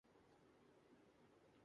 پینٹا gone نے بھی واقعہ کی تصدیق کی ہے